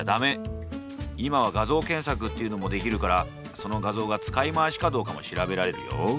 今は「画像検索」っていうのもできるからその画像が使い回しかどうかも調べられるよ。